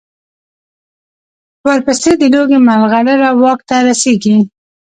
ورپسې د لوګي مرغلره واک ته رسېږي.